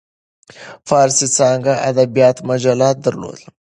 فارسي څانګه ادبیات مجله درلوده.